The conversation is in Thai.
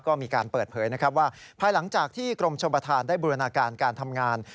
ก็มีการเปิดเผยนะครับว่าภายหลังจากที่กรมชมประธานได้บูรณาการการทำงาน